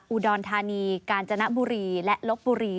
อุดรธานีกาญจนบุรีและลบบุรี